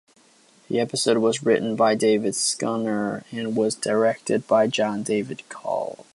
The episode was written by David Schnuler and was directed by John David Coles.